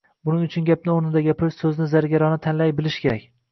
Buning uchun gapni o‘rnida gapirish, so‘zni zargarona tanlay bilish kerak.